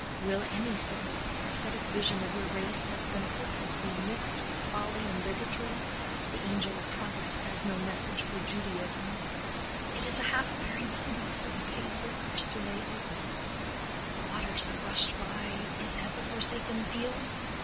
Will any say, the prophetic vision of your race has been hopelessly mixed with folly and bigotry: the angel of progress has no message for Judaism—it is a half buried city for the paid workers to lay open—the waters are rushing by it as a forsaken field?